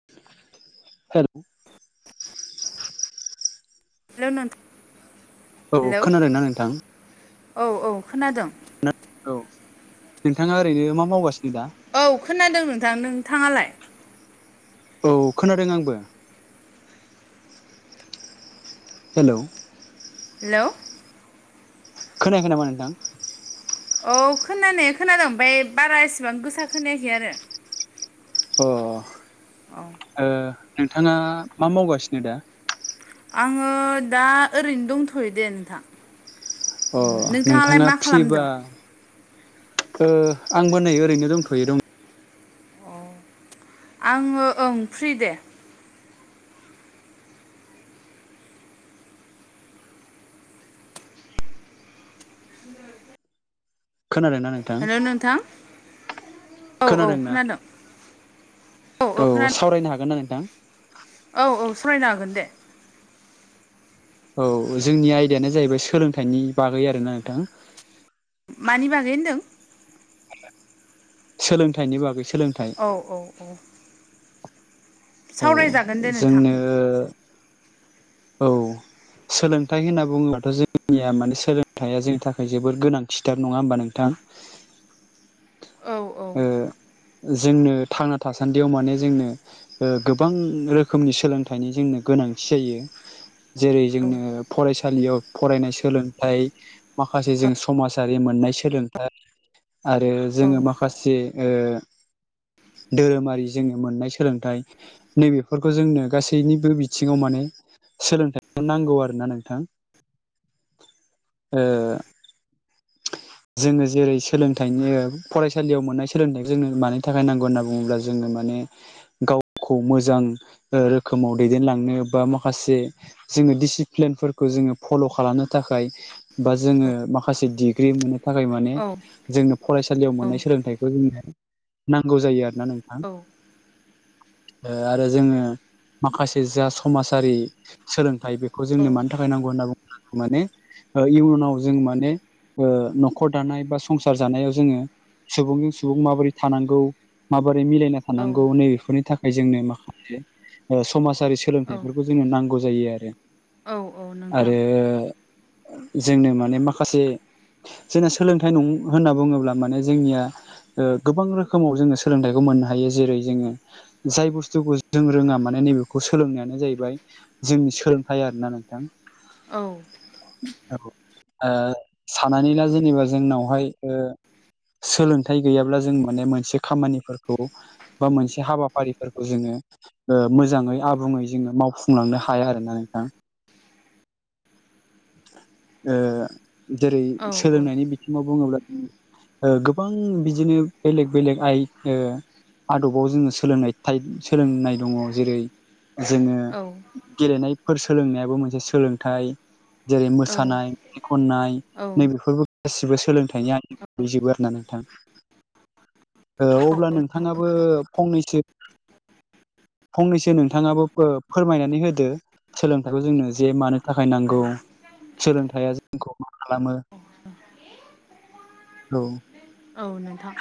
[unintelligible] [unintelligible] औ हेलौ खोनादोंना नोंथां? औ औ खोनादों। औ नोंथाङा ओरैनो मा मावगासिनो दा? औ खोनादों नोंथां नोंथाङालाय? औ खोनादों आंबो। हेलौ हेलौ खोनायाखै नामा नोंथां? औ खोनानाय खोनादों ओमफ्राय बारा एसेबां गोसा खोनायाखै आरो अ। औ ओ नोंथाङा मा मावगासिनो दा? आङो दा ओरैनो दंथ'यो दे नोंथां। अ नोंथाङालाय नोंथाङा मा फ्रिबा खालामदों ओ आंबो नै ओरैनो दंथ'यो दं आङो ओं फ्रि दे खोनादोंना नोंथां हेलौ नोंथां औ औ खोनादोंना खोनादों। औ सावरायनो हागोन ना नोंथां? औ औ सावरायनो हागोन दे। औ जोंनि आयदायानो जाहैबाय सोलोंथाइनि बागै आरोना नोंथां। मानि बागै होनदों? सोलोंथाइनि बागै सोलोंथाइ औ औ औ औ सावरायजागोन दे नोंथां जोंनो औ सोलोंथाइ होनना बुङोबाथ' जोंनिया माने सोलोंथाइया जोंनि थाखाय जोबोर गोनांथिथार नङा होमबा नोंथां? [unintelligible] औ औ ओ जोंनो थांना थासान्दियाव माने जोंनो ओ गोबां रोखोमनि सोलोंथाइनि जोंनो गोनांथि जायो। जेरै औ जोंनो फरायसालियाव फरायनाय सोलोंथाइ। माखासे जों समाजारि मोननाय सोलोंथाइ आरो औ जोङो माखासे धोरोमारि जोङो मोननाय सोलोंथाइ नैबेफोरखौ जोंनो गासैनिबो बिथिङाव माने सोलोंथाइखौ नांगौ आरोना नोंथां जोङो जेरै सोलोंथाइनि फरायसालियाव मोननाय सोलोंथाइखौ जोंनो मानि थाखाय नांगौ होनना बुङोब्ला जो माने गावखौ मोजां रोखोमाव दैदेनलांनो बा माखासे जोङो दिडिसिप्लिनफोरखौ जोङो फल' खालामनो थाखाय बा जोङो माखासे डिग्रि मोननो थाखाय माने औ जोंनो फरायसालियाव औ मोननाय सोलोंथाइखौ जोंनो नांगौ जायो आरोना नों हा आरो जोङो माखासे जा समाजारि सोलोंथाइ बे जोंनो मानि थाखाय नांगौ होनना बुङोबा माने इयुनाव जों माने ओ न'खर दानाय बा संसार जानायाव जोङो सुबुंजों सुबुं माबोरै थानांगौ माबोरै मिलायना औ थानांगौ नैबेफोरनि थाखाय जोंनो माखासे समाजारि औ सोलोंथाइफोरखौ जोंनो नांगौ जायो आरो औ औ नोंथां आरो जोंनो माने माखासे जोंना सोलोंथाइ नं होनना बुङोब्ला माने जोंनिया गोबां रोखोमाव जोङो सोलोंथाइखौ मोननो हायो जेरै जोङो जाय बुस्थुखौ जों रोङा माने नैबेखौ सोलोंनायानो जाहैबाय जोंनि सोलोंथाइ आरोना नोंथां औ औ ओ साननानै ला जेनेबा जोंनावहाय ओ सोलोंथाइ गैयाब्ला जों माने मोनसे खामानिफोरखौ बा मोनसे हाबाफारिफोरखौ जोङो ओ मोजाङै आबुङै जोङो मावफुंलांनो हाया आरोना नोंथां जेरै औ सोलोंनायनि बिथिङाव बुङोब्ला गोबां बिदिनो बेलेग बेलेग आइ आदबाव जोङो सोलोंनाय था सोलोंनाय दङ जेरै जोङो औ गेलेनायफोर सोलोंनायाबो मोनसे सोलोंथाइ जेरै औ मोसानाय मेाइ खननाय औ बेफोरबो गासिबो सोलोंथाइनि आयजोबो आरो ना नोंथां अब्ला नोंथाङाबो फंनैसो फंनैसो नोंथाङाबो फोरमायनानै होदो सोलोंथाइखौ जोंनो जे मानो थाखाय नांगौ सोलोंथाइया जोंखौ खालामो औ औ नोंथां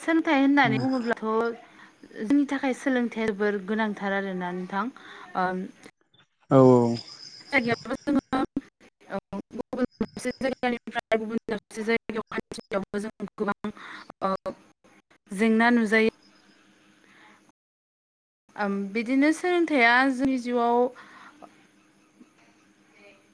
सोलोंथाइ होननानै बुङोब्लाथ' जोंनि थाखाय सोलोंथाइ जोबोर गोनांथार आरोना नोंथां औ औ [unintelligible] [inaudible] से जायगानिफ्राय गुबुन साबसे [unintelligible] जेंना नुजायो बिदिनो सोलोंथाइया जोंनि जिउआव